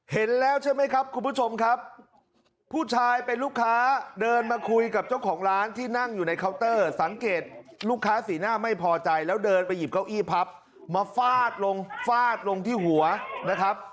เห็นแล้วใช่ไหมครับคุณผู้ชมครับผู้ชายเป็นลูกค้าเดินมาคุยกับเจ้าของร้านที่นั่งอยู่ในเคาน์เตอร์สังเกตลูกค้าสีหน้าไม่พอใจแล้วเดินไปหยิบเก้าอี้พับมาฟาดลงฟาดลงที่หัวนะครับ